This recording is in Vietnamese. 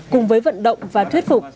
cùng với vận động và thuyết phục